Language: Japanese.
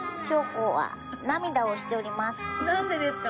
なんでですか？